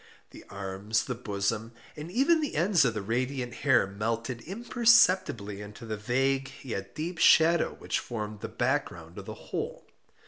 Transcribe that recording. The arms, the bosom, and even the ends of the radiant hair melted imperceptibly into the vague yet deep shadow which formed the back ground of the whole.